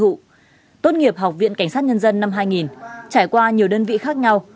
trong lĩnh vực đào tạo tốt nghiệp học viện cảnh sát nhân dân năm hai nghìn trải qua nhiều đơn vị khác nhau